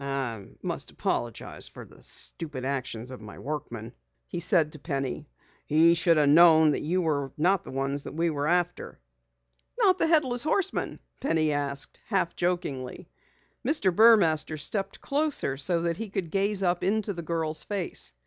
"I must apologize for the stupid actions of my workman," he said to Penny. "He should have known that you were not the one we are after." "Not the Headless Horseman?" Penny asked, half jokingly. Mr. Burmaster stepped closer so that he could gaze up into the girl's face.